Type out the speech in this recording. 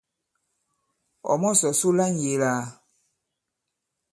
Ɔ̀ mɔ̀sɔ̀ su la ŋ̀yēē lā ?